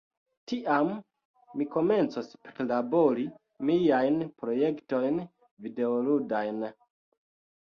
tiam mi komencos prilabori miajn projektojn videoludajn.